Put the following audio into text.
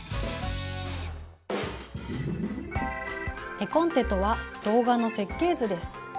絵コンテとは動画の設計図です。